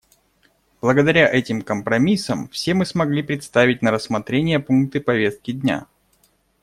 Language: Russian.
Благодаря этим компромиссам все мы смогли представить на рассмотрение пункты повестки дня.